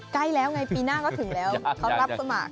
ใกล้แล้วไงปีหน้าก็ถึงแล้วเขารับสมัคร